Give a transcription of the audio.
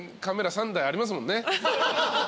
カメラ３台ありますもんね。